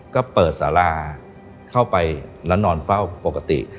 ก็เปิดสาราเข้าไปแล้วนอนเฝ้าปกติ